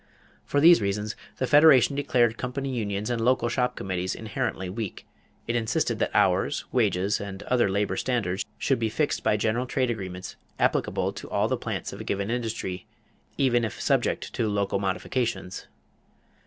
For these reasons, the Federation declared company unions and local shop committees inherently weak; it insisted that hours, wages, and other labor standards should be fixed by general trade agreements applicable to all the plants of a given industry, even if subject to local modifications.